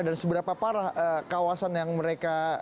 dan seberapa parah kawasan yang mereka